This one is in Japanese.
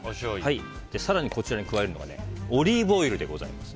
更に、こちらに加えるのがオリーブオイルでございます。